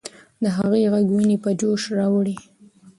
د هغې ږغ ويني په جوش راوړلې.